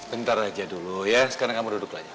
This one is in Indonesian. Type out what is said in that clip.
bentar aja dulu ya sekarang kamu duduk aja